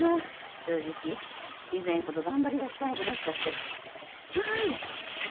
正直以前ほど頑張りがきかなくなっちゃってあっやだ